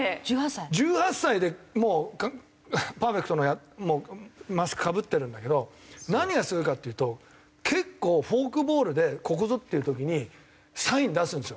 １８歳でもうパーフェクトなマスクかぶってるんだけど何がすごいかっていうと結構フォークボールでここぞっていう時にサイン出すんですよ。